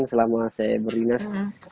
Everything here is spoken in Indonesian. selama saya berdinas